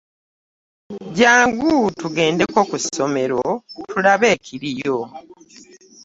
Gyangu tegendeko ku somero tulabe ekiriyo.